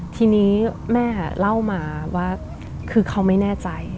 ทีนี้แม่เล่ามาว่าคือเขาไม่แน่ใจ